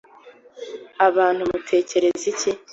Abantu mutekereza iki